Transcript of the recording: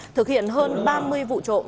thực hiện hơn ba mươi vụ trộm